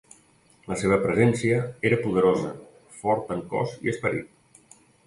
La seva presència era poderosa, fort en cos i esperit.